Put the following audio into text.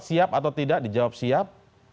siap atau tidak dijawab siap